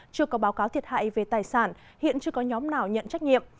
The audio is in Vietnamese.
chưa có báo cáo thiệt hại về tài sản hiện chưa có nhóm nào nhận trách nhiệm